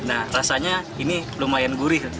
nah rasanya ini lumayan gurih